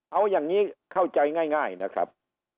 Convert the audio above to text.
เอาอย่างนี้เข้าใจง่ายนะครับ